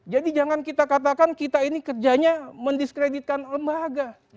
jadi jangan kita katakan kita ini kerjanya mendiskreditkan lembaga